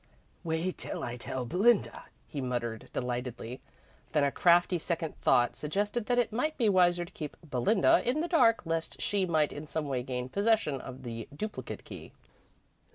"Wait till I tell Belinda," he muttered, delightedly. Then a crafty second thought suggested that it might be wiser to keep "Belinda" in the dark, lest she might in some way gain possession of the duplicate key.